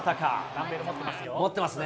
ダンベル持ってますよ。